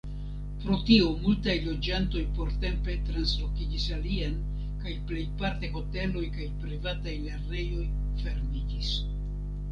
Pro tio multaj loĝantoj portempe translokiĝis alien, kaj plejparte hoteloj kaj privataj lernejoj fermiĝis.